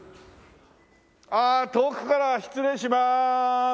ああ遠くから失礼しまーす！